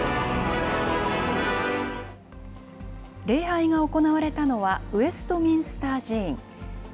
礼拝が行われたのはウエストミンスター寺院。